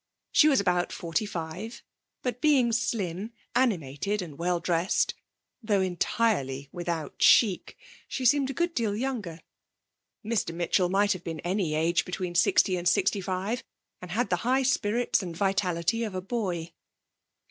She was about forty five, but being slim, animated, and well dressed (though entirely without chic), she seemed a good deal younger. Mr. Mitchell might have been any age between sixty and sixty five, and had the high spirits and vitality of a boy.